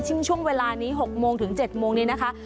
ซึ่งช่วงเวลานี้๖๗โมงนี้นะคะ